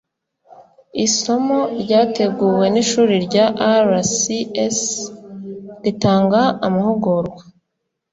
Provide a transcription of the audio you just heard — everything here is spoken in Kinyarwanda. isomo ryateguwe n’ ishuri rya rcs ritanga amahugurwa